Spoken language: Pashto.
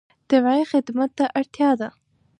طبیعي خدمت ته اړتیا ده.